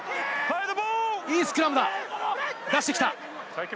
スクラムだ、出してきた。